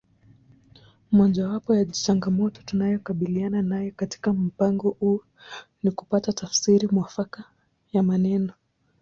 Mojawapo ya changamoto tunayokabiliana nayo katika mpango huu ni kupata tafsiri mwafaka ya maneno